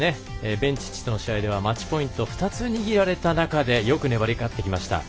ベンチッチとの試合ではマッチポイントを２つ握られた中でよく粘り勝ってきました。